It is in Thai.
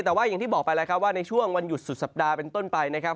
แต่ว่าอย่างที่บอกไปแล้วครับว่าในช่วงวันหยุดสุดสัปดาห์เป็นต้นไปนะครับ